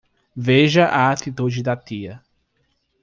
Veja a atitude da tia